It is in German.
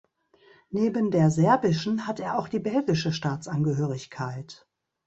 Neben der serbischen hat er auch die belgische Staatsangehörigkeit.